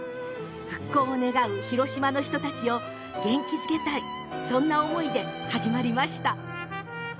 復興を願う広島の人たちを元気づけたい、そんな思いで始まりました。